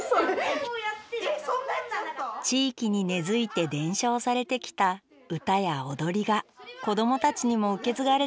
地域に根づいて伝承されてきた歌や踊りが子どもたちにも受け継がれているんですね